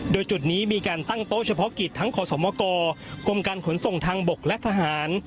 โดยจุดนี้มีการตั้งโต๊ะเฉพาะกิจทั้งขอสมกกรมการขนส่งทางบกและทหาร